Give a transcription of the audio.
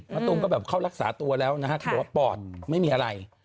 ตูมก็แบบเข้ารักษาตัวแล้วนะฮะบอกว่าปอดไม่มีอะไร